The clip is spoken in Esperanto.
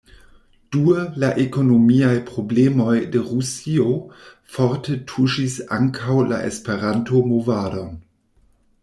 Due, la ekonomiaj problemoj de Rusio forte tuŝis ankaŭ la Esperanto-movadon.